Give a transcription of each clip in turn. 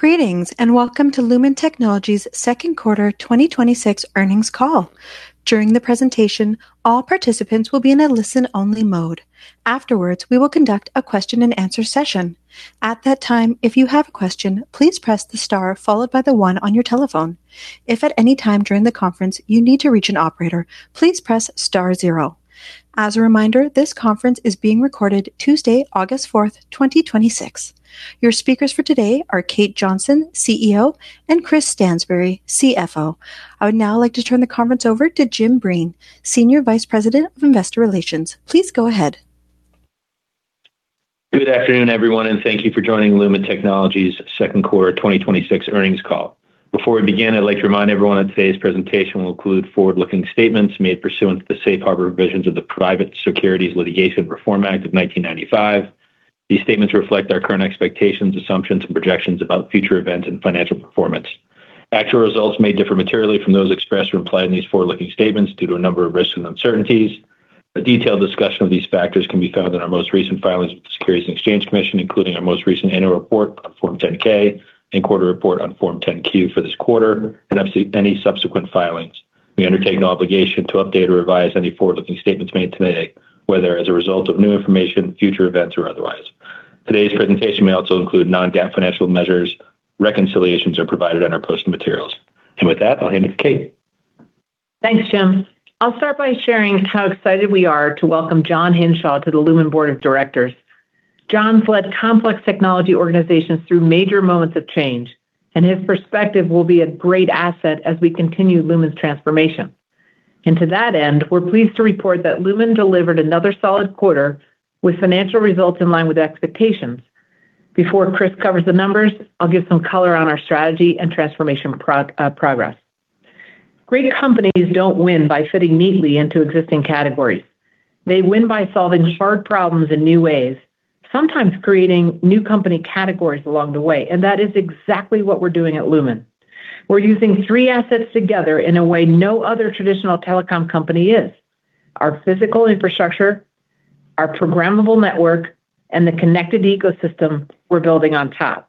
Greetings, and welcome to Lumen Technologies' second quarter 2026 earnings call. During the presentation, all participants will be in a listen-only mode. Afterwards, we will conduct a question and answer session. At that time, if you have a question, please press the star followed by the one on your telephone. If at any time during the conference you need to reach an operator, please press star zero. As a reminder, this conference is being recorded Tuesday, August 4, 2026. Your speakers for today are Kate Johnson, CEO, and Chris Stansbury, CFO. I would now like to turn the conference over to Jim Breen, Senior Vice President of Investor Relations. Please go ahead. Good afternoon, everyone, and thank you for joining Lumen Technologies' second quarter 2026 earnings call. Before we begin, I'd like to remind everyone that today's presentation will include forward-looking statements made pursuant to the Safe Harbor provisions of the Private Securities Litigation Reform Act of 1995. These statements reflect our current expectations, assumptions, and projections about future events and financial performance. Actual results may differ materially from those expressed or implied in these forward-looking statements due to a number of risks and uncertainties. A detailed discussion of these factors can be found in our most recent filings with the Securities and Exchange Commission, including our most recent annual report on Form 10-K and quarter report on Form 10-Q for this quarter, and any subsequent filings. We undertake no obligation to update or revise any forward-looking statements made today, whether as a result of new information, future events, or otherwise. Today's presentation may also include non-GAAP financial measures. Reconciliations are provided in our posted materials. With that, I'll hand it to Kate. Thanks, Jim. I'll start by sharing how excited we are to welcome John Hinshaw to the Lumen Board of Directors. John's led complex technology organizations through major moments of change, and his perspective will be a great asset as we continue Lumen's transformation. To that end, we're pleased to report that Lumen delivered another solid quarter with financial results in line with expectations. Before Chris covers the numbers, I'll give some color on our strategy and transformation progress. Great companies don't win by fitting neatly into existing categories. They win by solving hard problems in new ways, sometimes creating new company categories along the way, and that is exactly what we're doing at Lumen. We're using three assets together in a way no other traditional telecom company is: our physical infrastructure, our programmable network, and the connected ecosystem we're building on top.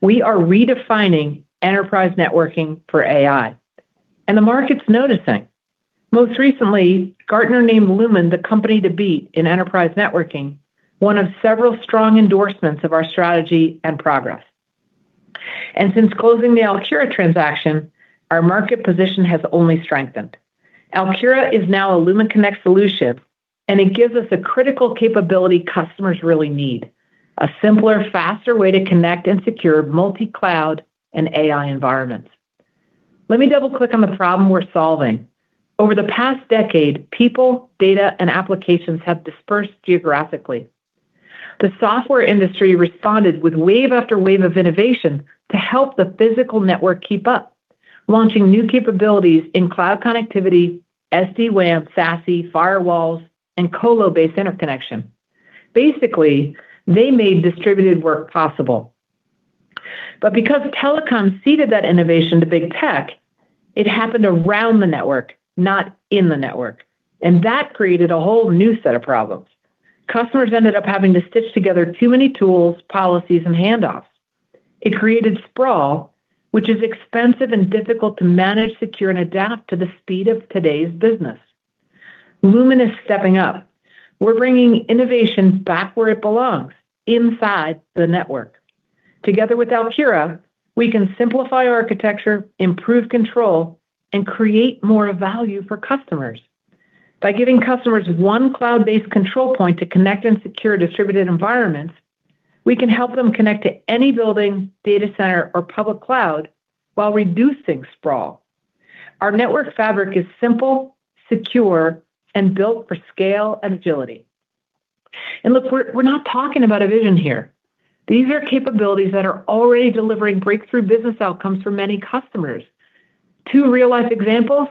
We are redefining enterprise networking for AI, the market's noticing. Most recently, Gartner named Lumen the company to beat in enterprise networking, one of several strong endorsements of our strategy and progress. Since closing the Alkira transaction, our market position has only strengthened. Alkira is now a Lumen Connect solution, and it gives us a critical capability customers really need: a simpler, faster way to connect and secure multi-cloud and AI environments. Let me double-click on the problem we're solving. Over the past decade, people, data, and applications have dispersed geographically. The software industry responded with wave after wave of innovation to help the physical network keep up, launching new capabilities in cloud connectivity, SD-WAN, SASE, firewalls, and colo-based interconnection. Basically, they made distributed work possible. Because telecom ceded that innovation to big tech, it happened around the network, not in the network, and that created a whole new set of problems. Customers ended up having to stitch together too many tools, policies, and handoffs. It created sprawl, which is expensive and difficult to manage, secure, and adapt to the speed of today's business. Lumen is stepping up. We're bringing innovation back where it belongs, inside the network. Together with Alkira, we can simplify architecture, improve control, and create more value for customers. By giving customers one cloud-based control point to connect and secure distributed environments, we can help them connect to any building, data center, or public cloud while reducing sprawl. Our network fabric is simple, secure, and built for scale and agility. Look, we're not talking about a vision here. These are capabilities that are already delivering breakthrough business outcomes for many customers. Two real-life examples.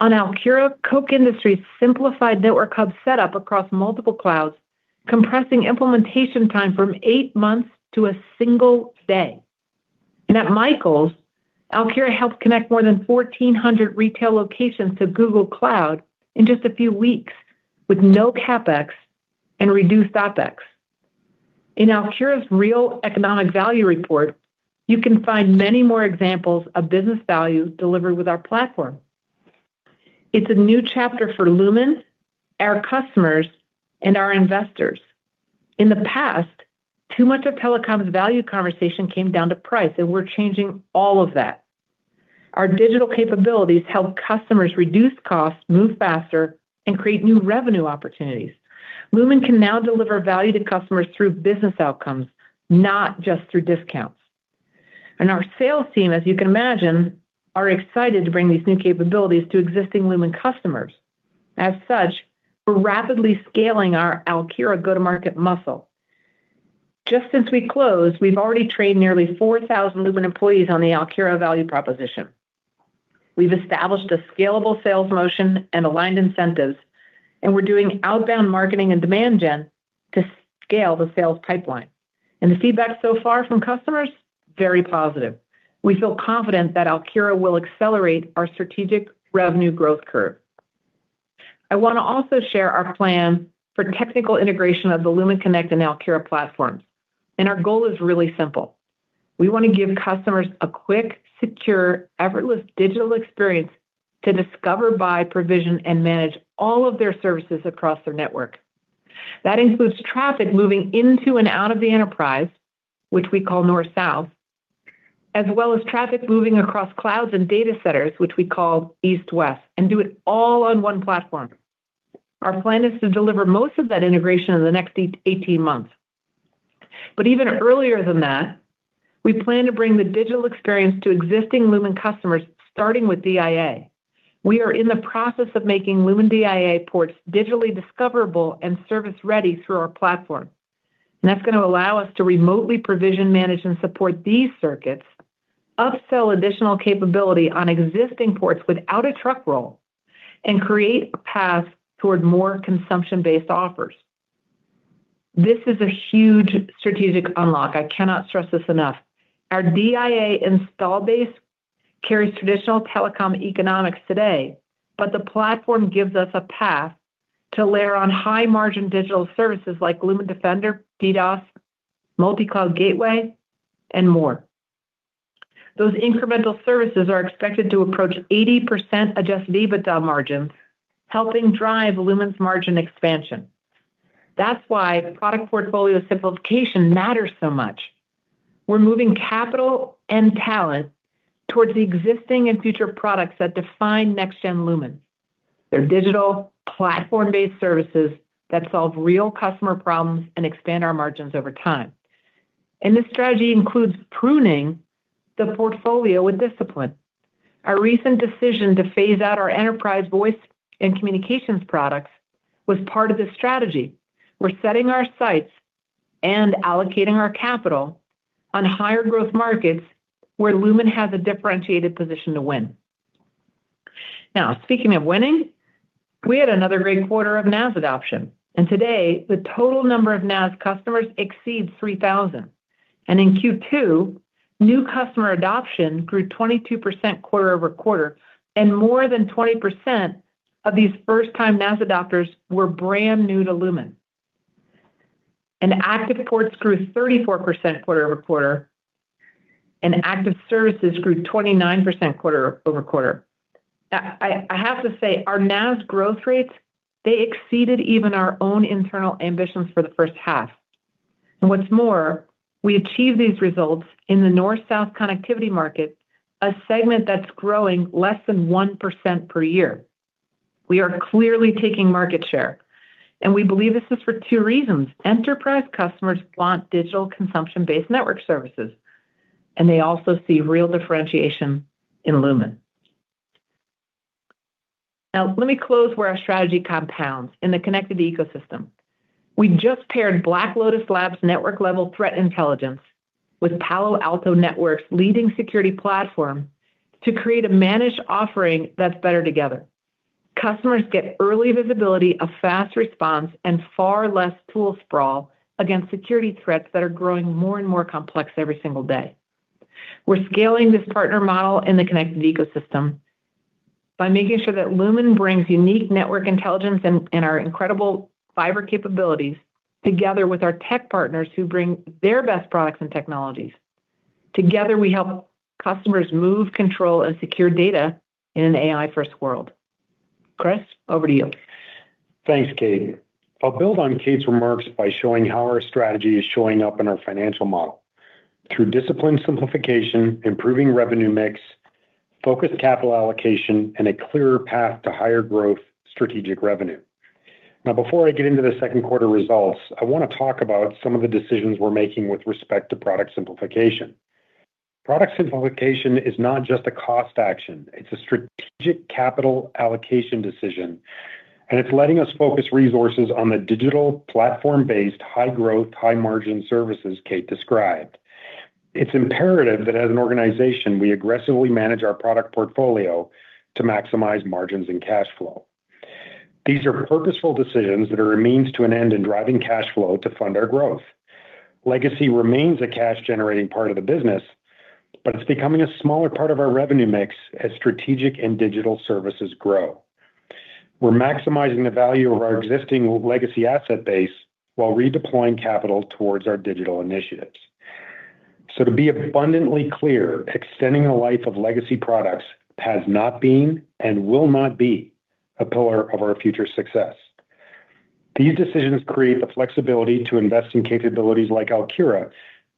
On Alkira, Koch Industries simplified network hub setup across multiple clouds, compressing implementation time from eight months to a single day. At Michaels, Alkira helped connect more than 1,400 retail locations to Google Cloud in just a few weeks with no CapEx and reduced OpEx. In Alkira's real economic value report, you can find many more examples of business value delivered with our platform. It's a new chapter for Lumen, our customers, and our investors. In the past, too much of telecom's value conversation came down to price, we're changing all of that. Our digital capabilities help customers reduce costs, move faster, and create new revenue opportunities. Lumen can now deliver value to customers through business outcomes, not just through discounts. Our sales team, as you can imagine, are excited to bring these new capabilities to existing Lumen customers. As such, we're rapidly scaling our Alkira go-to-market muscle. Just since we closed, we've already trained nearly 4,000 Lumen employees on the Alkira value proposition. We've established a scalable sales motion and aligned incentives, we're doing outbound marketing and demand gen to scale the sales pipeline. The feedback so far from customers? Very positive. We feel confident that Alkira will accelerate our strategic revenue growth curve I want to also share our plan for technical integration of the Lumen Connect and Alkira platforms. Our goal is really simple. We want to give customers a quick, secure, effortless digital experience to discover by provision and manage all of their services across their network. That includes traffic moving into and out of the enterprise, which we call north-south, as well as traffic moving across clouds and data centers, which we call east-west, and do it all on one platform. Our plan is to deliver most of that integration in the next 18 months. Even earlier than that, we plan to bring the digital experience to existing Lumen customers, starting with DIA. We are in the process of making Lumen DIA ports digitally discoverable and service-ready through our platform. That's going to allow us to remotely provision, manage, and support these circuits, upsell additional capability on existing ports without a truck roll, and create a path toward more consumption-based offers. This is a huge strategic unlock. I cannot stress this enough. Our DIA install base carries traditional telecom economics today. The platform gives us a path to layer on high-margin digital services like Lumen Defender, DDoS, Lumen Multi-Cloud Gateway, and more. Those incremental services are expected to approach 80% Adjusted EBITDA margins, helping drive Lumen's margin expansion. That's why product portfolio simplification matters so much. We're moving capital and talent towards the existing and future products that define next gen Lumen, their digital platform-based services that solve real customer problems and expand our margins over time. This strategy includes pruning the portfolio with discipline. Our recent decision to phase out our enterprise voice and communications products was part of this strategy. We're setting our sights and allocating our capital on higher growth markets where Lumen has a differentiated position to win. Speaking of winning, we had another great quarter of NaaS adoption. Today the total number of NaaS customers exceeds 3,000. In Q2, new customer adoption grew 22% quarter-over-quarter. More than 20% of these first-time NaaS adopters were brand new to Lumen. Active ports grew 34% quarter-over-quarter. Active services grew 29% quarter-over-quarter. I have to say, our NaaS growth rates, they exceeded even our own internal ambitions for the first half. What's more, we achieved these results in the north-south connectivity market, a segment that's growing less than 1% per year. We are clearly taking market share. We believe this is for two reasons. Enterprise customers want digital consumption-based network services. They also see real differentiation in Lumen. Let me close where our strategy compounds in the connected ecosystem. We just paired Black Lotus Labs network-level threat intelligence with Palo Alto Networks' leading security platform to create a managed offering that's better together. Customers get early visibility, a fast response, and far less tool sprawl against security threats that are growing more and more complex every single day. We're scaling this partner model in the connected ecosystem by making sure that Lumen brings unique network intelligence and our incredible fiber capabilities together with our tech partners who bring their best products and technologies. Together, we help customers move, control, and secure data in an AI-first world. Chris, over to you. Thanks, Kate. I'll build on Kate's remarks by showing how our strategy is showing up in our financial model through disciplined simplification, improving revenue mix, focused capital allocation, and a clearer path to higher growth strategic revenue. Before I get into the second quarter results, I want to talk about some of the decisions we're making with respect to product simplification. Product simplification is not just a cost action. It's a strategic capital allocation decision, and it's letting us focus resources on the digital platform-based, high growth, high margin services Kate described. It's imperative that as an organization, we aggressively manage our product portfolio to maximize margins and cash flow. These are purposeful decisions that are a means to an end in driving cash flow to fund our growth. Legacy remains a cash-generating part of the business, but it's becoming a smaller part of our revenue mix as strategic and digital services grow. We're maximizing the value of our existing legacy asset base while redeploying capital towards our digital initiatives. To be abundantly clear, extending the life of legacy products has not been and will not be a pillar of our future success. These decisions create the flexibility to invest in capabilities like Alkira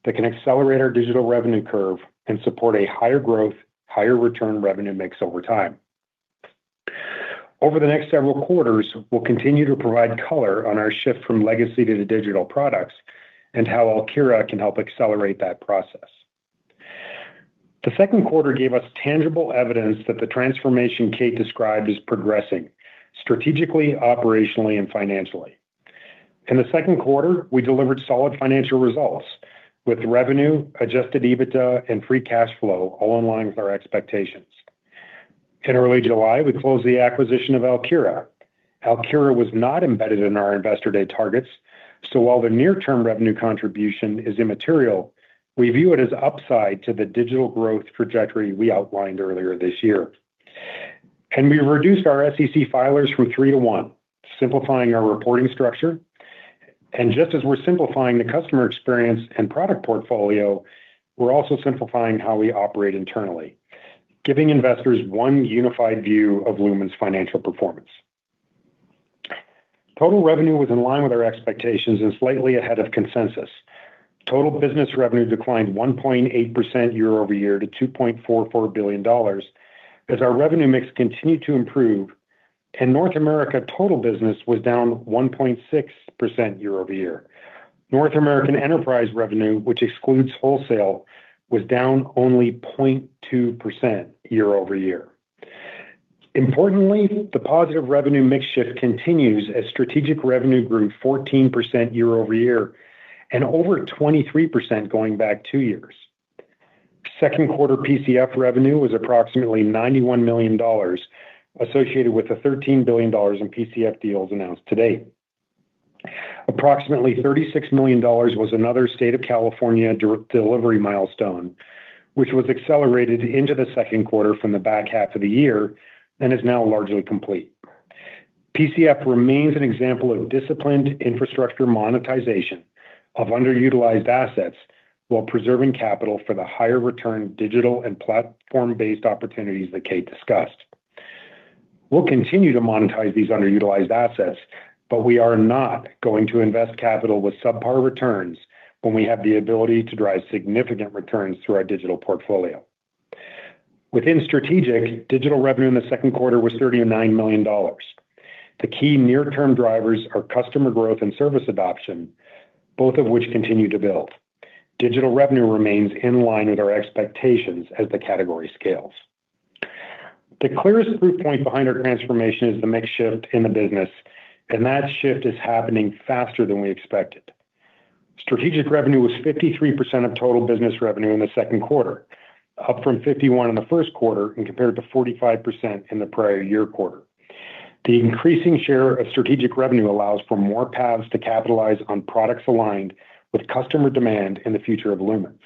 that can accelerate our digital revenue curve and support a higher growth, higher return revenue mix over time. Over the next several quarters, we'll continue to provide color on our shift from legacy to the digital products and how Alkira can help accelerate that process. The second quarter gave us tangible evidence that the transformation Kate described is progressing strategically, operationally, and financially. In the second quarter, we delivered solid financial results with revenue, adjusted EBITDA, and free cash flow all in line with our expectations. In early July, we closed the acquisition of Alkira. Alkira was not embedded in our investor day targets. While the near-term revenue contribution is immaterial, we view it as upside to the digital growth trajectory we outlined earlier this year. We reduced our SEC filers from three to one, simplifying our reporting structure. Just as we're simplifying the customer experience and product portfolio, we're also simplifying how we operate internally, giving investors one unified view of Lumen's financial performance. Total revenue was in line with our expectations and slightly ahead of consensus. Total business revenue declined 1.8% year-over-year to $2.44 billion as our revenue mix continued to improve, and North America total business was down 1.6% year-over-year. North American enterprise revenue, which excludes wholesale, was down only 0.2% year-over-year. Importantly, the positive revenue mix shift continues as strategic revenue grew 14% year-over-year and over 23% going back two years. Second quarter PCF revenue was approximately $91 million, associated with the $13 billion in PCF deals announced to date. Approximately $36 million was another state of California delivery milestone, which was accelerated into the second quarter from the back half of the year and is now largely complete. PCF remains an example of disciplined infrastructure monetization of underutilized assets while preserving capital for the higher return digital and platform-based opportunities that Kate discussed. We'll continue to monetize these underutilized assets, but we are not going to invest capital with subpar returns when we have the ability to drive significant returns through our digital portfolio. Within strategic, digital revenue in the second quarter was $39 million. The key near-term drivers are customer growth and service adoption, both of which continue to build. Digital revenue remains in line with our expectations as the category scales. The clearest proof point behind our transformation is the mix shift in the business. That shift is happening faster than we expected. Strategic revenue was 53% of total business revenue in the second quarter, up from 51% in the first quarter and compared to 45% in the prior year quarter. The increasing share of strategic revenue allows for more paths to capitalize on products aligned with customer demand in the future of Lumen.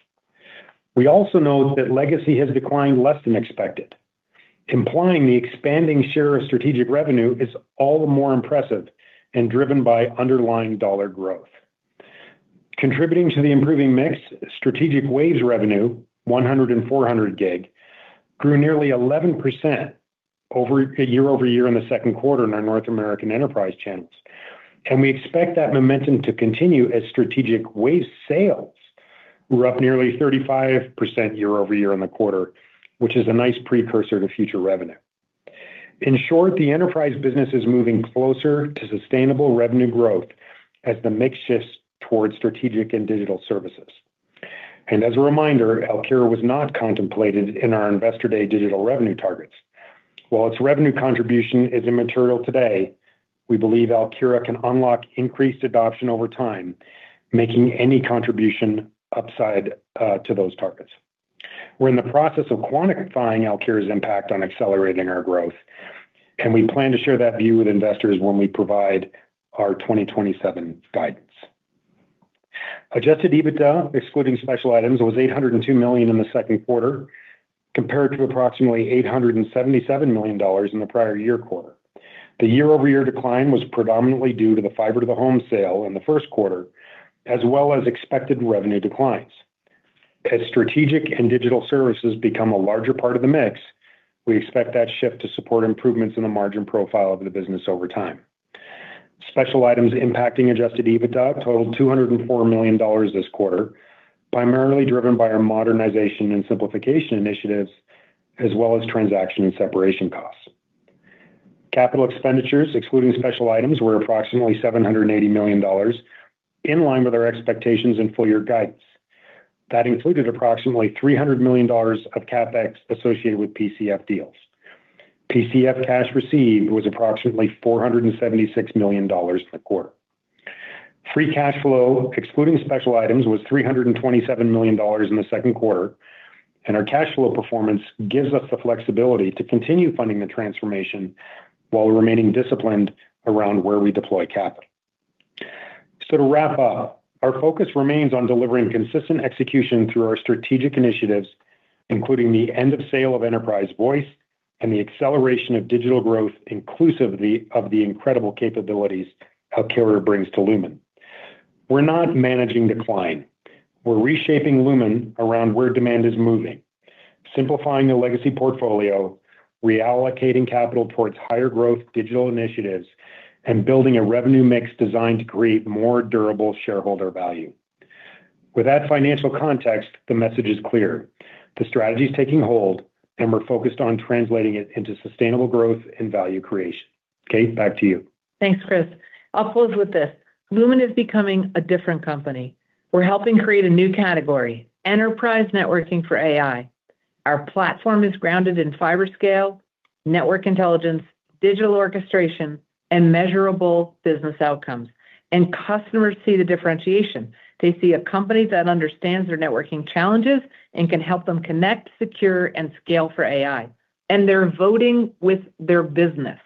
We also note that legacy has declined less than expected, implying the expanding share of strategic revenue is all the more impressive and driven by underlying dollar growth. Contributing to the improving mix, strategic WAVES revenue, 100 and 400 gig, grew nearly 11% year-over-year in the second quarter in our North American enterprise channels. We expect that momentum to continue as strategic WAVES sales were up nearly 35% year-over-year in the quarter, which is a nice precursor to future revenue. In short, the enterprise business is moving closer to sustainable revenue growth as the mix shifts towards strategic and digital services. As a reminder, Alkira was not contemplated in our Investor Day digital revenue targets. While its revenue contribution is immaterial today, we believe Alkira can unlock increased adoption over time, making any contribution upside to those targets. We're in the process of quantifying Alkira's impact on accelerating our growth. We plan to share that view with investors when we provide our 2027 guidance. Adjusted EBITDA, excluding special items, was $802 million in the second quarter compared to approximately $877 million in the prior year quarter. The year-over-year decline was predominantly due to the fiber to the home sale in the first quarter, as well as expected revenue declines. As strategic and digital services become a larger part of the mix, we expect that shift to support improvements in the margin profile of the business over time. Special items impacting Adjusted EBITDA totaled $204 million this quarter, primarily driven by our modernization and simplification initiatives, as well as transaction and separation costs. Capital expenditures, excluding special items, were approximately $780 million, in line with our expectations and full year guidance. That included approximately $300 million of CapEx associated with PCF deals. PCF cash received was approximately $476 million in the quarter. Free cash flow, excluding special items, was $327 million in the second quarter. Our cash flow performance gives us the flexibility to continue funding the transformation while remaining disciplined around where we deploy capital. To wrap up, our focus remains on delivering consistent execution through our strategic initiatives, including the end of sale of enterprise voice and the acceleration of digital growth inclusive of the incredible capabilities Alkira brings to Lumen. We're not managing decline. We're reshaping Lumen around where demand is moving, simplifying the legacy portfolio, reallocating capital towards higher growth digital initiatives, building a revenue mix designed to create more durable shareholder value. With that financial context, the message is clear. The strategy is taking hold. We're focused on translating it into sustainable growth and value creation. Kate, back to you. Thanks, Chris. I'll close with this. Lumen is becoming a different company. We're helping create a new category, enterprise networking for AI. Our platform is grounded in fiber scale, network intelligence, digital orchestration, and measurable business outcomes. Customers see the differentiation. They see a company that understands their networking challenges and can help them connect, secure, and scale for AI. They're voting with their business.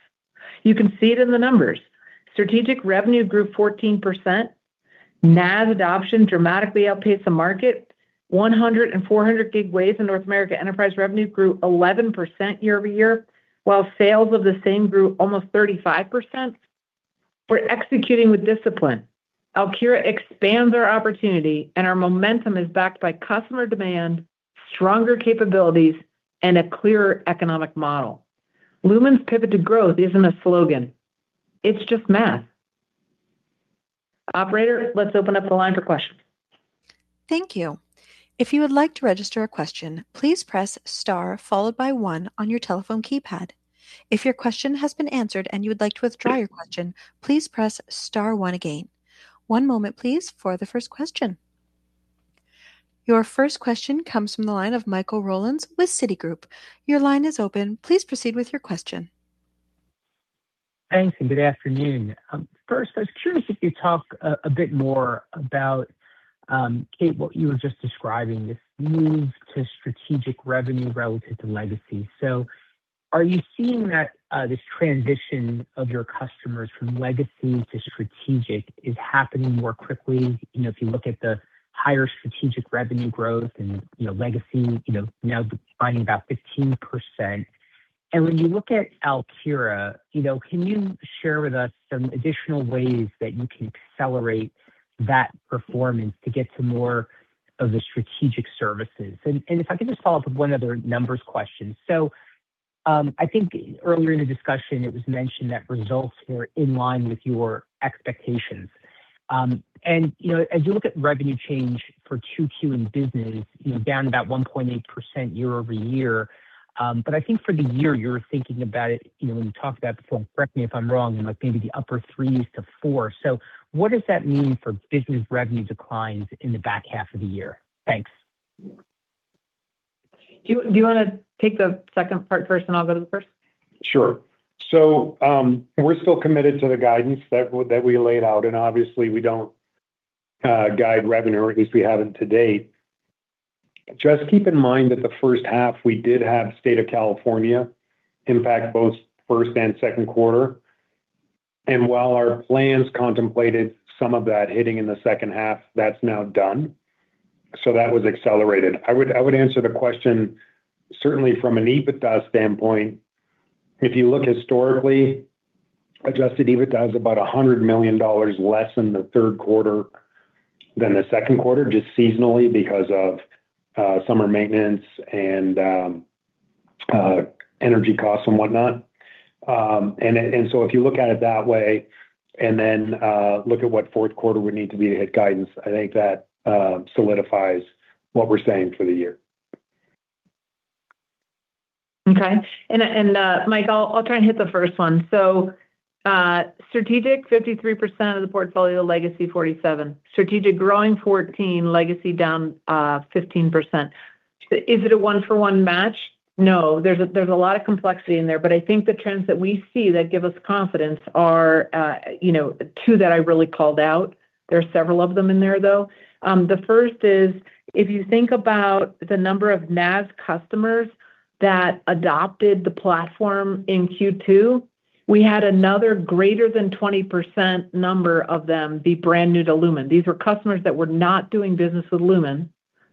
You can see it in the numbers. Strategic revenue grew 14%. NaaS adoption dramatically outpaced the market. 100G and 400G waves in North America enterprise revenue grew 11% year-over-year, while sales of the same grew almost 35%. We're executing with discipline. \ Alkira expands our opportunity and our momentum is backed by customer demand, stronger capabilities, and a clearer economic model. Lumen's pivot to growth isn't a slogan, it's just math. Operator, let's open up the line for questions. Thank you. If you would like to register a question, please press star followed by one on your telephone keypad. If your question has been answered and you would like to withdraw your question, please press star one again. One moment, please, for the first question. Your first question comes from the line of Michael Rollins with Citigroup. Your line is open. Please proceed with your question. Thanks. Good afternoon. First, I was curious if you'd talk a bit more about, Kate, what you were just describing, this move to strategic revenue relative to legacy. Are you seeing that this transition of your customers from legacy to strategic is happening more quickly? If you look at the higher strategic revenue growth and legacy, now declining about 15%. When you look at Alkira, can you share with us some additional ways that you can accelerate that performance to get to more of the strategic services? If I could just follow up with one other numbers question. I think earlier in the discussion, it was mentioned that results were in line with your expectations. As you look at revenue change for 2Q in business, down about 1.8% year-over-year. I think for the year, you're thinking about it, when you talked about before, and correct me if I'm wrong, maybe the upper 3s to 4. What does that mean for business revenue declines in the back half of the year? Thanks. Do you want to take the second part first and I'll go to the first? Sure. We're still committed to the guidance that we laid out, obviously we don't guide revenue, or at least we haven't to date. Keep in mind that the first half we did have state of California impact both first and second quarter. While our plans contemplated some of that hitting in the second half, that's now done. That was accelerated. I would answer the question, certainly from an EBITDA standpoint, if you look historically, Adjusted EBITDA is about $100 million less than the third quarter than the second quarter, just seasonally because of summer maintenance and energy costs and whatnot. If you look at it that way and then look at what fourth quarter would need to be to hit guidance, I think that solidifies what we're saying for the year. Okay. Mike, I'll try and hit the first one. Strategic, 53% of the portfolio, legacy 47%. Strategic growing 14%, legacy down 15%. Is it a one for one match? No, there's a lot of complexity in there, but I think the trends that we see that give us confidence are two that I really called out. There's several of them in there, though. The first is, if you think about the number of NaaS customers that adopted the platform in Q2, we had another greater than 20% number of them be brand new to Lumen. These were customers that were not doing business with Lumen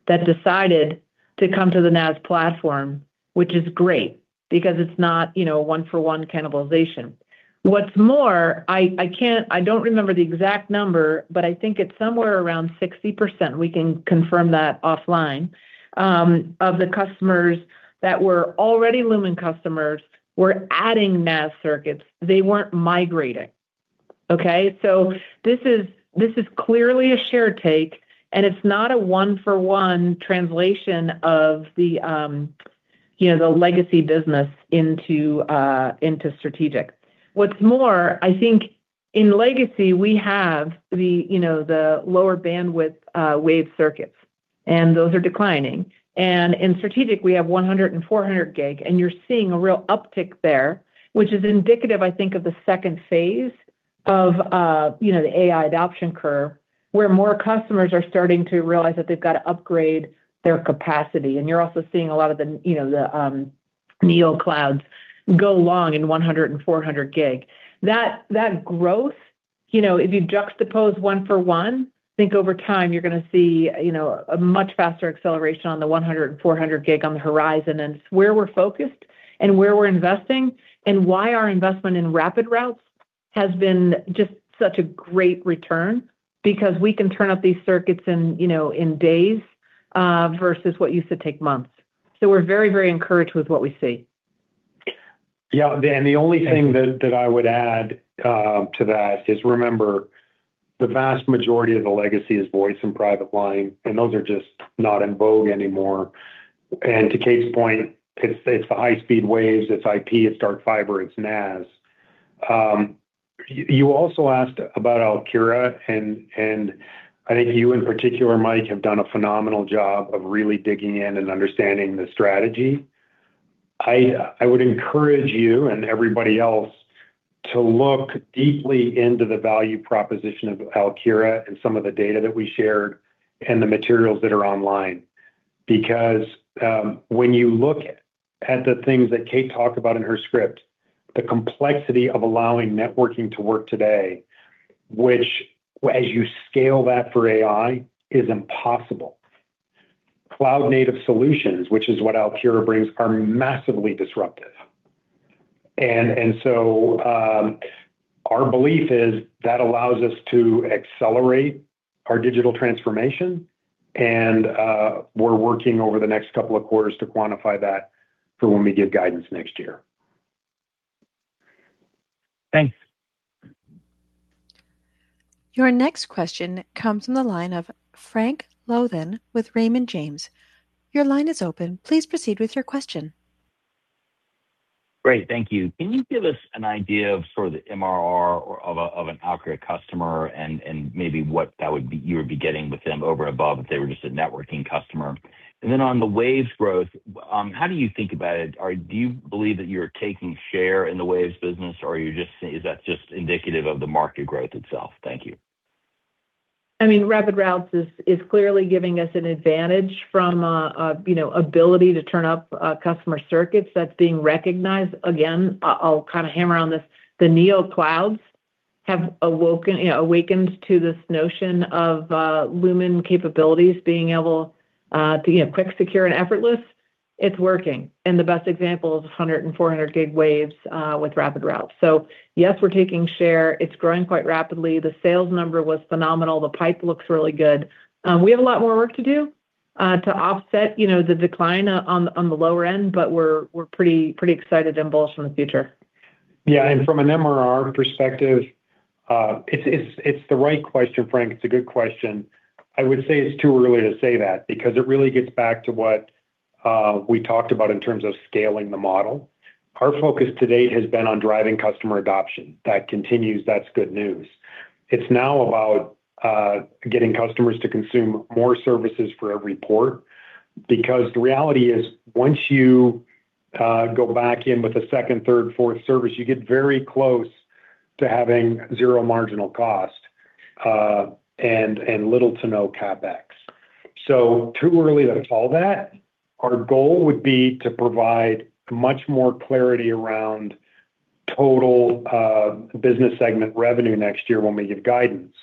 that decided to come to the NaaS platform, which is great because it's not one for one cannibalization. What's more, I don't remember the exact number, but I think it's somewhere around 60%, we can confirm that offline, of the customers that were already Lumen customers were adding NaaS circuits. They weren't migrating. Okay? This is clearly a share take, it's not a one for one translation of the legacy business into strategic. What's more, I think in legacy, we have the lower bandwidth wave circuits, and those are declining. In strategic, we have 100 and 400 gig, and you're seeing a real uptick there, which is indicative, I think, of the second phase of the AI adoption curve, where more customers are starting to realize that they've got to upgrade their capacity. You're also seeing a lot of the neo clouds go long in 100 and 400 gig. That growth, if you juxtapose one for one, think over time, you're going to see a much faster acceleration on the 100 and 400 gig on the horizon and it's where we're focused and where we're investing, and why our investment in RapidRoutes has been just such a great return because we can turn up these circuits in days, versus what used to take months. We're very, very encouraged with what we see. Yeah, the only thing that I would add to that is remember, the vast majority of the legacy is voice and private line, and those are just not in vogue anymore. To Kate's point, it's the high-speed waves, it's IP, it's dark fiber, it's NaaS. You also asked about Alkira, and I think you in particular, Mike, have done a phenomenal job of really digging in and understanding the strategy. I would encourage you and everybody else to look deeply into the value proposition of Alkira and some of the data that we shared and the materials that are online. When you look at the things that Kate talked about in her script, the complexity of allowing networking to work today, which as you scale that for AI, is impossible. Cloud-native solutions, which is what Alkira brings, are massively disruptive. Our belief is that allows us to accelerate our digital transformation, and we're working over the next couple of quarters to quantify that for when we give guidance next year. Thanks. Your next question comes from the line of Frank Louthan with Raymond James. Your line is open. Please proceed with your question. Great. Thank you. Can you give us an idea of sort of the MRR of an Alkira customer and maybe what you would be getting with them over above if they were just a networking customer? On the Waves growth, how do you think about it? Do you believe that you're taking share in the Waves business, or is that just indicative of the market growth itself? Thank you. I mean, Rapid Routes is clearly giving us an advantage from ability to turn up customer circuits. That's being recognized. Again, I'll kind of hammer on this. The neo clouds have awakened to this notion of Lumen capabilities being able to be quick, secure, and effortless. It's working. The best example is 100 and 400 gig Waves with Rapid Routes. Yes, we're taking share. It's growing quite rapidly. The sales number was phenomenal. The pipe looks really good. We have a lot more work to do to offset the decline on the lower end, we're pretty excited and bullish on the future. Yeah. From an MRR perspective, it's the right question, Frank. It's a good question. I would say it's too early to say that because it really gets back to what we talked about in terms of scaling the model. Our focus to date has been on driving customer adoption. That continues. That's good news. It's now about getting customers to consume more services for every port, because the reality is, once you go back in with a second, third, fourth service, you get very close to having zero marginal cost, and little to no CapEx. Too early to call that. Our goal would be to provide much more clarity around total business segment revenue next year when we give guidance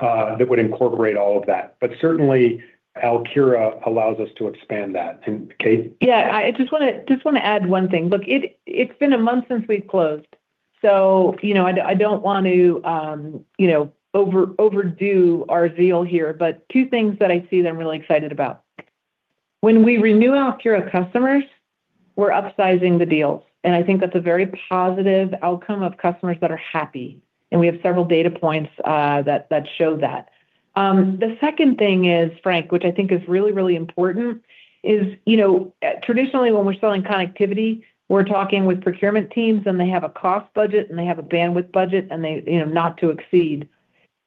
that would incorporate all of that. Certainly Alkira allows us to expand that. Kate? Yeah, I just want to add one thing. Look, it's been a month since we've closed, so I don't want to overdo our zeal here, but two things that I see that I'm really excited about. When we renew Alkira customers, we're upsizing the deals, and I think that's a very positive outcome of customers that are happy. We have several data points that show that. The second thing is, Frank, which I think is really, really important, is traditionally when we're selling connectivity, we're talking with procurement teams, and they have a cost budget, and they have a bandwidth budget, and they not to exceed.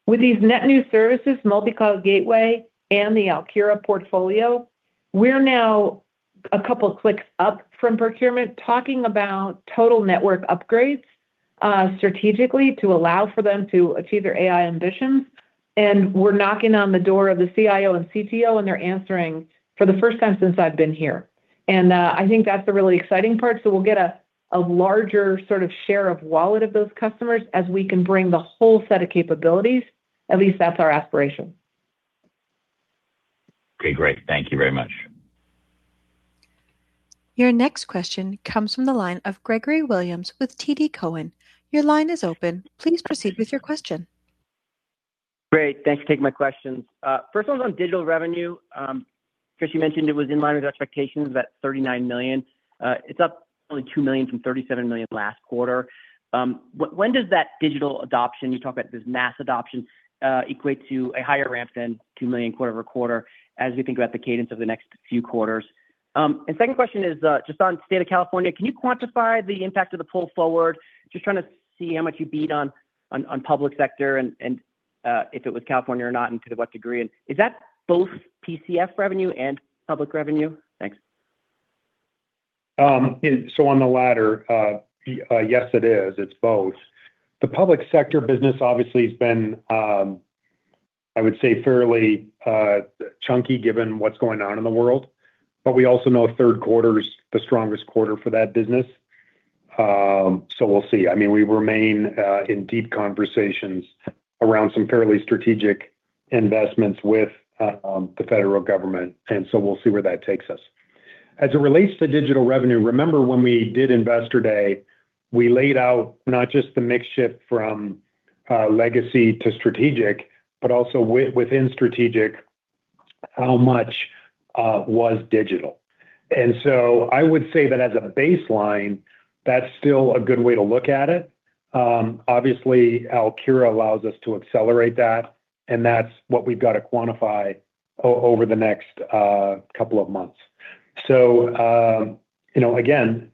With these net new services, Multi-Cloud Gateway and the Alkira portfolio, we're now a couple clicks up from procurement, talking about total network upgrades strategically to allow for them to achieve their AI ambitions. We're knocking on the door of the CIO and CTO, and they're answering for the first time since I've been here. I think that's the really exciting part. We'll get a larger sort of share of wallet of those customers as we can bring the whole set of capabilities. At least that's our aspiration. Okay, great. Thank you very much. Your next question comes from the line of Gregory Williams with TD Cowen. Your line is open. Please proceed with your question. Great. Thanks for taking my questions. First one's on digital revenue. Chris, you mentioned it was in line with expectations at $39 million. It's up only $2 million from $37 million last quarter. When does that digital adoption, you talk about this mass adoption, equate to a higher ramp than $2 million quarter-over-quarter as we think about the cadence of the next few quarters? Second question is just on State of California. Can you quantify the impact of the pull forward? Just trying to see how much you beat on public sector and if it was California or not, and to what degree. Is that both PCF revenue and public revenue? Thanks. On the latter, yes, it is. It's both. The public sector business obviously has been, I would say, fairly chunky given what's going on in the world. We also know third quarter is the strongest quarter for that business. We'll see. I mean, we remain in deep conversations around some fairly strategic investments with the federal government, we'll see where that takes us. As it relates to digital revenue, remember when we did Investor Day, we laid out not just the mix shift from legacy to strategic, but also within strategic, how much was digital. I would say that as a baseline, that's still a good way to look at it. Obviously Alkira allows us to accelerate that, and that's what we've got to quantify over the next couple of months. Again,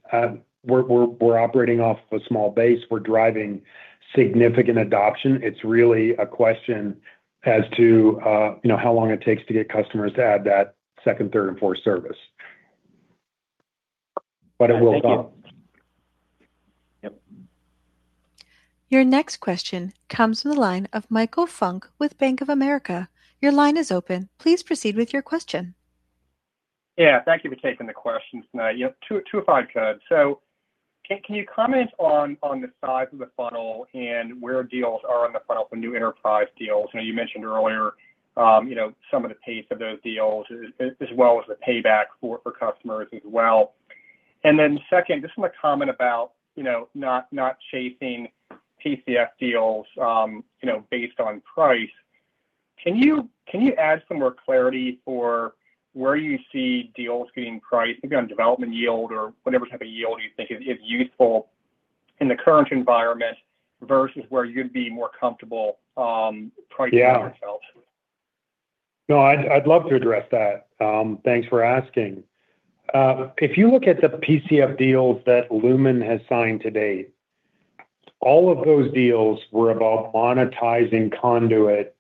we're operating off a small base. We're driving significant adoption. It's really a question as to how long it takes to get customers to add that second, third, and fourth service. It will go up. Thank you. Yep. Your next question comes from the line of Michael Funk with Bank of America. Your line is open. Please proceed with your question. Yeah. Thank you for taking the questions tonight. Two, if I could. Can you comment on the size of the funnel and where deals are on the funnel for new enterprise deals? You mentioned earlier some of the pace of those deals, as well as the payback for customers as well. Second, just want to comment about not chasing PCF deals based on price. Can you add some more clarity for where you see deals getting priced, maybe on development yield or whatever type of yield you think is useful in the current environment versus where you'd be more comfortable pricing yourselves? Yeah. No, I'd love to address that. Thanks for asking. If you look at the PCF deals that Lumen has signed to date, all of those deals were about monetizing conduit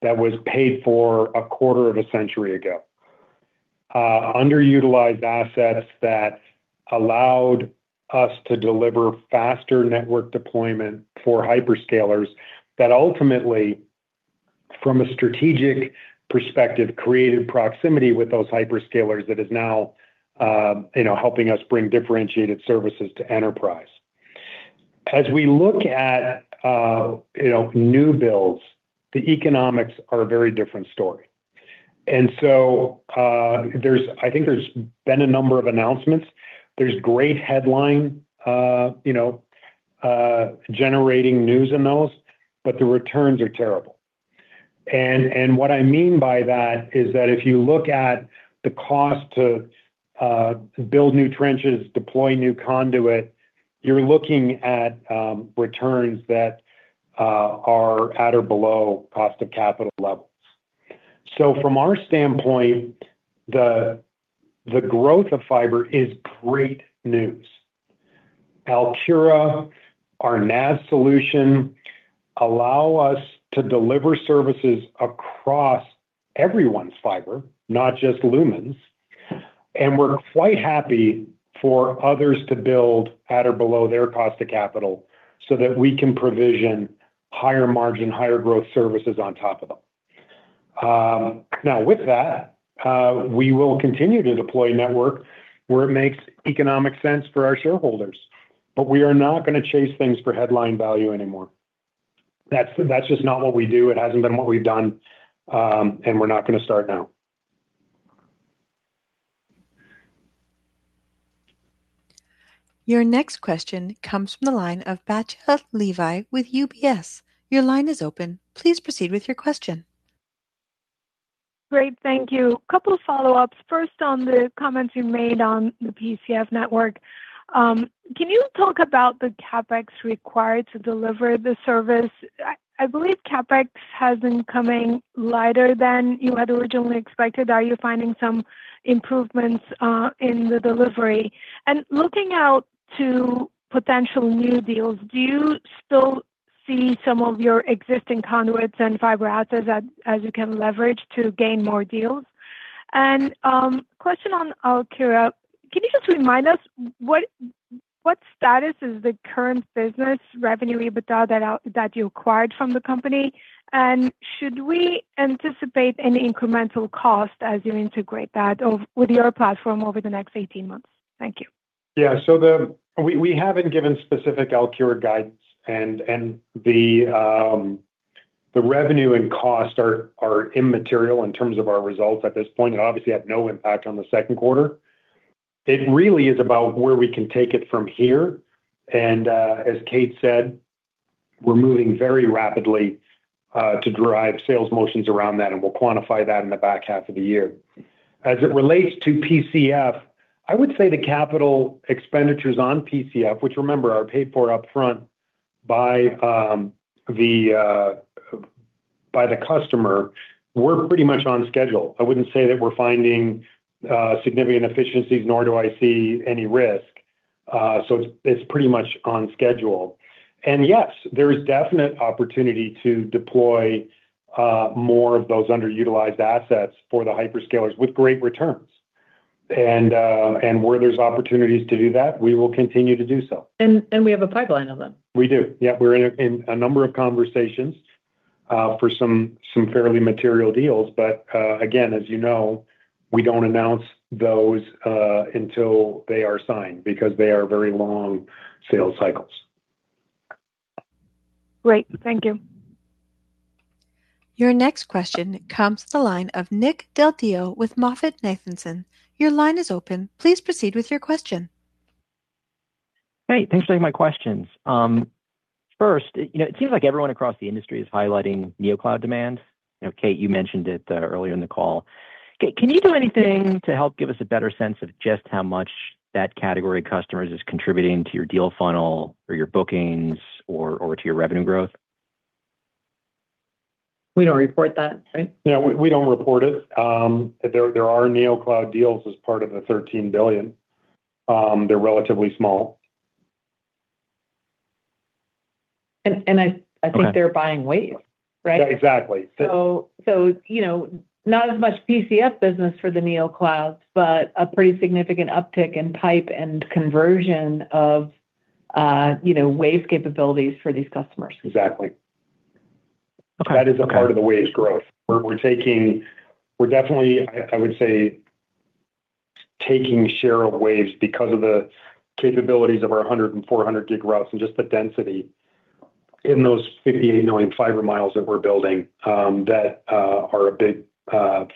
that was paid for a quarter of a century ago. Underutilized assets that allowed us to deliver faster network deployment for hyperscalers that ultimately, from a strategic perspective, created proximity with those hyperscalers that is now helping us bring differentiated services to enterprise. As we look at new builds, the economics are a very different story. I think there's been a number of announcements. There's great headline generating news in those, but the returns are terrible. What I mean by that is that if you look at the cost to build new trenches, deploy new conduit, you're looking at returns that are at or below cost of capital levels. From our standpoint, the growth of fiber is great news. Alkira, our NaaS solution, allow us to deliver services across everyone's fiber, not just Lumen's. We're quite happy for others to build at or below their cost of capital so that we can provision higher margin, higher growth services on top of them. Now with that, we will continue to deploy network where it makes economic sense for our shareholders. We are not going to chase things for headline value anymore. That's just not what we do. It hasn't been what we've done, and we're not going to start now. Your next question comes from the line of Batya Levi with UBS. Your line is open. Please proceed with your question. Great. Thank you. Couple follow-ups. First, on the comments you made on the PCF network. Can you talk about the CapEx required to deliver the service? I believe CapEx has been coming lighter than you had originally expected. Are you finding some improvements in the delivery? Looking out to potential new deals, do you still see some of your existing conduits and fiber assets as you can leverage to gain more deals? Question on Alkira, can you just remind us what status is the current business revenue EBITDA that you acquired from the company? Should we anticipate any incremental cost as you integrate that with your platform over the next 18 months? Thank you. Yeah. We haven't given specific Alkira guidance, and the revenue and cost are immaterial in terms of our results at this point. It obviously had no impact on the second quarter. It really is about where we can take it from here. As Kate said, we're moving very rapidly to drive sales motions around that, and we'll quantify that in the back half of the year. As it relates to PCF, I would say the capital expenditures on PCF, which remember, are paid for up front by the customer, we're pretty much on schedule. I wouldn't say that we're finding significant efficiencies, nor do I see any risk. It's pretty much on schedule. Yes, there is definite opportunity to deploy more of those underutilized assets for the hyperscalers with great returns. Where there's opportunities to do that, we will continue to do so. We have a pipeline of them. We do. Yeah. We're in a number of conversations for some fairly material deals. Again, as you know, we don't announce those until they are signed because they are very long sales cycles. Great. Thank you. Your next question comes to the line of Nick Del Deo with MoffettNathanson. Your line is open. Please proceed with your question. Hey, thanks for taking my questions. First, it seems like everyone across the industry is highlighting neo cloud demand. Kate, you mentioned it earlier in the call. Kate, can you do anything to help give us a better sense of just how much that category of customers is contributing to your deal funnel or your bookings or to your revenue growth? We don't report that, right? Yeah, we don't report it. There are neo cloud deals as part of the $13 billion. They're relatively small. I think they're buying Wave, right? Yeah, exactly. Not as much PCF business for the neo clouds, but a pretty significant uptick in pipe and conversion of Wave capabilities for these customers. Exactly. Okay. That is a part of the Waves growth. We're definitely, I would say, taking share of Waves because of the capabilities of our 100 and 400 gig routes and just the density in those 58 million fiber miles that we're building, that are a big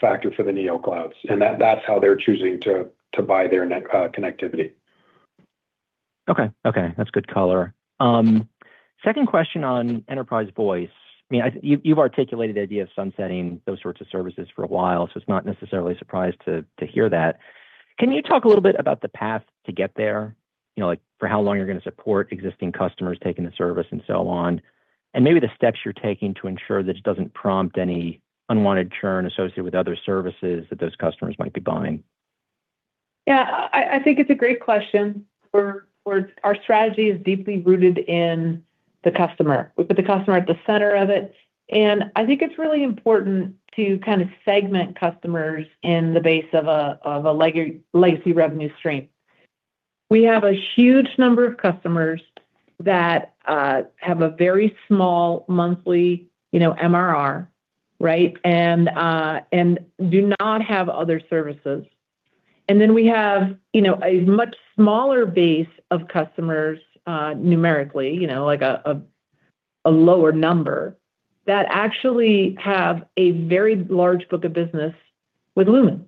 factor for the neo clouds. That's how they're choosing to buy their net connectivity. Okay. That's good color. Second question on Enterprise Voice. You've articulated the idea of sunsetting those sorts of services for a while, so it's not necessarily a surprise to hear that. Can you talk a little bit about the path to get there? For how long you're going to support existing customers taking the service and so on, and maybe the steps you're taking to ensure that it doesn't prompt any unwanted churn associated with other services that those customers might be buying. Yeah, I think it's a great question. Our strategy is deeply rooted in the customer. We put the customer at the center of it, and I think it's really important to segment customers in the base of a legacy revenue stream. We have a huge number of customers that have a very small monthly MRR. Right. Do not have other services. We have a much smaller base of customers numerically, like a lower number, that actually have a very large book of business with Lumen.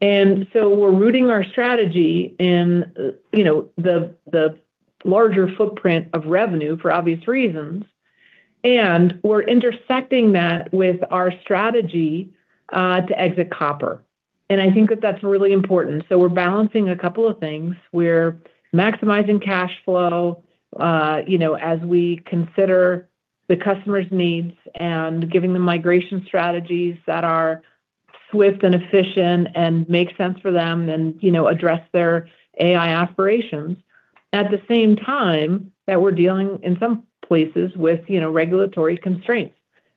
We're rooting our strategy in the larger footprint of revenue for obvious reasons, and we're intersecting that with our strategy to exit copper. I think that that's really important. We're balancing a couple of things. We're maximizing cash flow, as we consider the customer's needs and giving them migration strategies that are swift and efficient and make sense for them and address their AI aspirations. At the same time, that we're dealing, in some places, with regulatory constraints.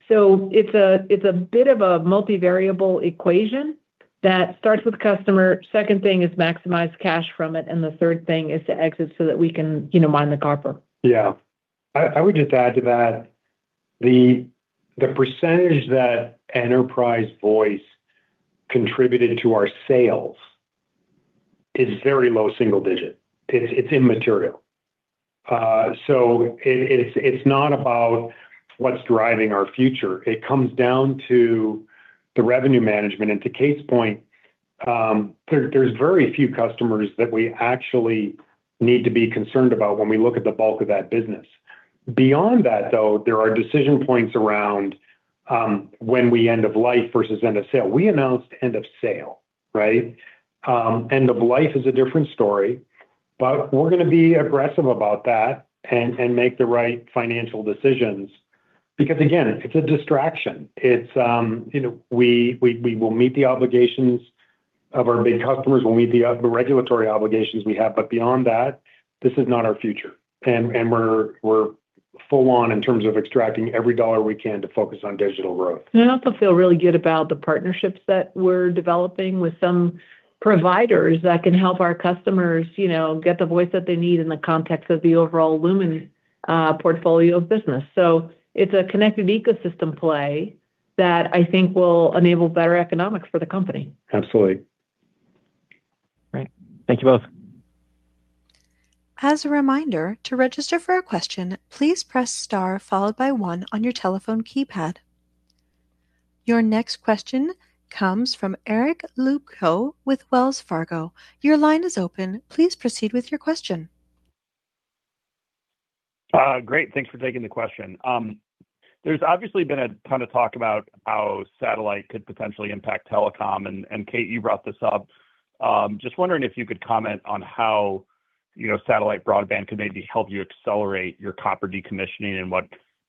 It's a bit of a multi-variable equation that starts with customer, second thing is maximize cash from it, and the third thing is to exit so that we can mine the copper. Yeah. I would just add to that, the percentage that Enterprise Voice contributed to our sales is very low single digit. It's immaterial. It's not about what's driving our future. It comes down to the revenue management and to Kate's point, there's very few customers that we actually need to be concerned about when we look at the bulk of that business. Beyond that, though, there are decision points around, when we end of life versus end of sale. We announced end of sale. Right. End of life is a different story, we're going to be aggressive about that and make the right financial decisions. Again, it's a distraction. We will meet the obligations of our big customers, we'll meet the regulatory obligations we have, beyond that, this is not our future. We're full on in terms of extracting every dollar we can to focus on digital growth. I also feel really good about the partnerships that we're developing with some providers that can help our customers get the voice that they need in the context of the overall Lumen portfolio of business. It's a connected ecosystem play that I think will enable better economics for the company. Absolutely. Great. Thank you both. As a reminder, to register for a question, please press star followed by 1 on your telephone keypad. Your next question comes from Eric Luebchow with Wells Fargo. Your line is open. Please proceed with your question. Great. Thanks for taking the question. There's obviously been a ton of talk about how satellite could potentially impact telecom. Kate, you brought this up. Just wondering if you could comment on how satellite broadband could maybe help you accelerate your copper decommissioning and what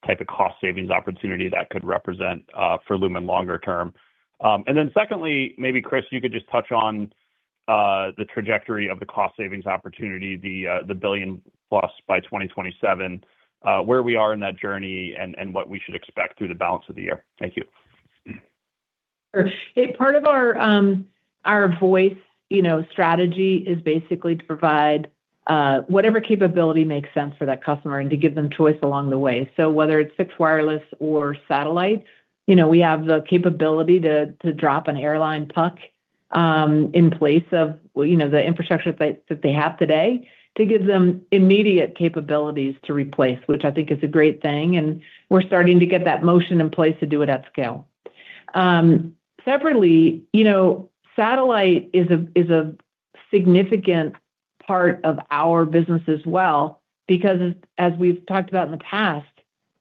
type of cost savings opportunity that could represent for Lumen longer term. Secondly, maybe Chris, you could just touch on the trajectory of the cost savings opportunity, the $1 billion plus by 2027, where we are in that journey and what we should expect through the balance of the year. Thank you. Sure. Part of our voice strategy is basically to provide whatever capability makes sense for that customer and to give them choice along the way. Whether it's fixed wireless or satellite, we have the capability to drop a Starlink puck in place of the infrastructure site that they have today to give them immediate capabilities to replace, which I think is a great thing, and we're starting to get that motion in place to do it at scale. Separately, satellite is a significant part of our business as well because as we've talked about in the past,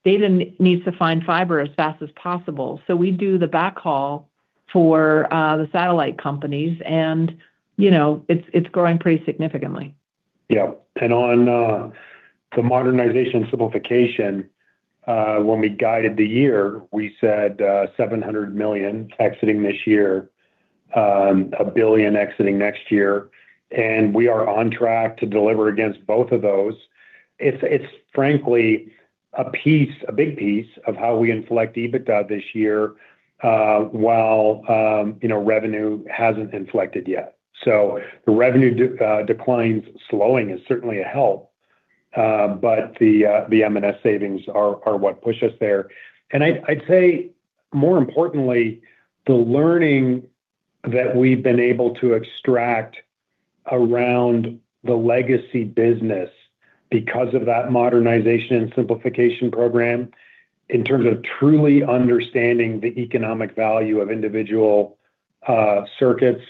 data needs to find fiber as fast as possible. We do the backhaul for the satellite companies and it's growing pretty significantly. Yeah. On the modernization simplification, when we guided the year, we said $700 million exiting this year, $1 billion exiting next year. We are on track to deliver against both of those. It's frankly a big piece of how we inflect EBITDA this year, while revenue hasn't inflected yet. The revenue decline slowing is certainly a help. The M&S savings are what push us there. I'd say more importantly, the learning that we've been able to extract around the legacy business because of that modernization and simplification program, in terms of truly understanding the economic value of individual circuits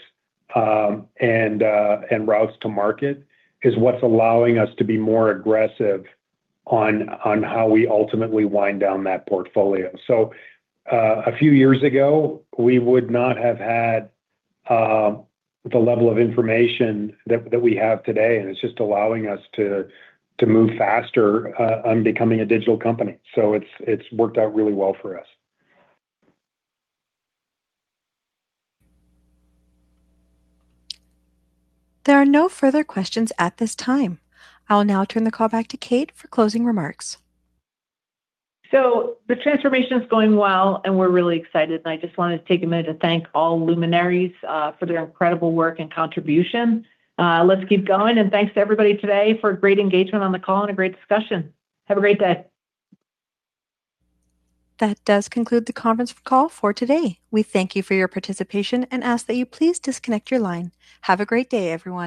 and routes to market is what's allowing us to be more aggressive on how we ultimately wind down that portfolio. A few years ago, we would not have had the level of information that we have today, and it's just allowing us to move faster on becoming a digital company. It's worked out really well for us. There are no further questions at this time. I will now turn the call back to Kate for closing remarks. The transformation's going well, and we're really excited, and I just wanted to take a minute to thank all Luminaries for their incredible work and contribution. Let's keep going and thanks to everybody today for great engagement on the call and a great discussion. Have a great day. That does conclude the conference call for today. We thank you for your participation and ask that you please disconnect your line. Have a great day, everyone.